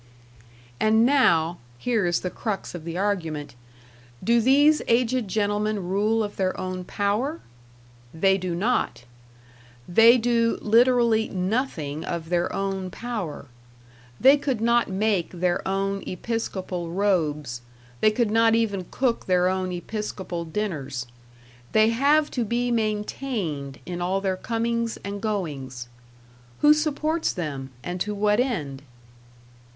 And now here is the crux of the argument do these aged gentlemen rule of their own power? They do not! They do literally nothing of their own power; they could not make their own episcopal robes, they could net even cook their own episcopal dinners. They have to be maintained in all their comings and goings. Who supports them, and to what end?